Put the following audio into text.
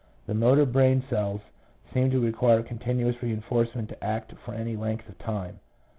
The motor brain cells seem to require continuous reinforcement to act for any length of time.